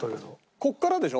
ここからでしょ？